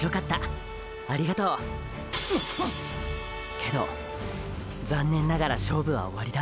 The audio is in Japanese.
けど残念ながら勝負はおわりだ。